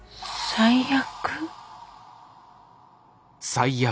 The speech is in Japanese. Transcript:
最悪。